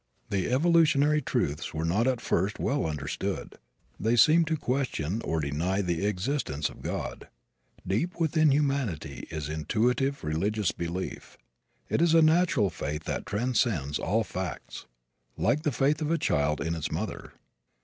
The evolutionary truths were not at first well understood. They seemed to question or deny the existence of God. Deep within humanity is intuitive religious belief. It is a natural faith that transcends all facts, like the faith of a child in its mother.